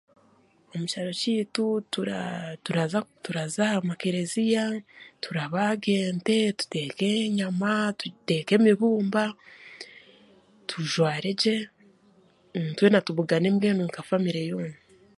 Omu kyaro kyaitu turaza aha makereziya, turabaaga ente, tuteeke enyama, tuteeke emibumba, tujware gye twena tubugane mbwenu nka famire yoona.